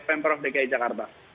pemprov dki jakarta